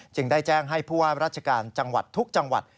ได้แจ้งให้ผู้ว่าราชการจังหวัดทุกจังหวัด